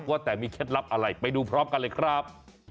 ว่าแต่มีเคล็ดลับอะไรไปดูพร้อมกันเลยครับ